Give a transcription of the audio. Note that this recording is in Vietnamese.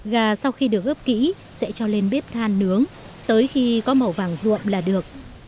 gà sau khi được ướp kỹ sẽ cho lên bếp than nướng tới khi có màu vàng ruộm là được